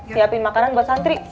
siapin makanan buat santri